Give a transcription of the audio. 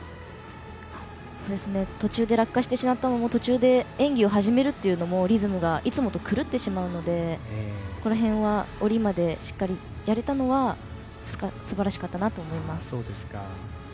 途中で落下してしまったのも途中で演技を始めるのもリズムがいつもと狂ってしまうのでこの辺は、下りまでしっかりやれたのはすばらしかったなと思います。